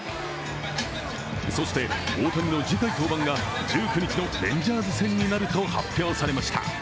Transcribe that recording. そして大谷の次回登板が１９日のレンジャーズ戦になると発表されました。